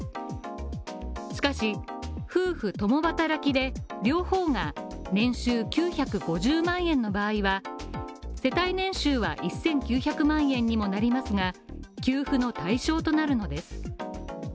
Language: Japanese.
しかし、夫婦共働きで、両方が年収９５０万円の場合は、世帯年収は１９００万円にもなりますが、給付の対象となるのです。